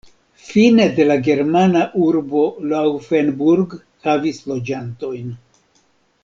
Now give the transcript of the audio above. Fine de la germana urbo Laufenburg havis loĝantojn.